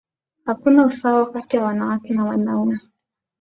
Hakuna usawa kati ya wanawake na wanaume